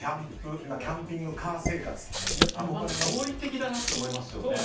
キャンピングカー生活って合理的だなと思いますよ。